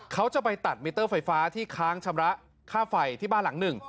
เขาจะไปตัดมิเตอร์ไฟฟ้าที่ค้างชำระค่าไฟที่บ้านหลังหนึ่ง